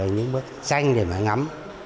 những bức tranh để ngắm